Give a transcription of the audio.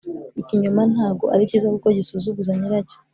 ikinyoma ntago ari cyiza kuko gisuzuguza nyiracyo